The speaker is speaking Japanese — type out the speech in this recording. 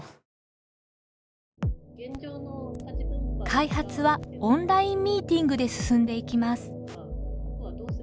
開発はオンラインミーティングで進んでいきます。